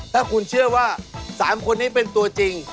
ถ้าคุณเชื่อว่า๓คนนี้เป็นตัวจริง